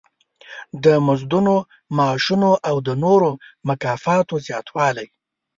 د مزدونو، معاشونو او د نورو مکافاتو زیاتوالی.